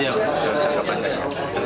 itu yang jaka panjang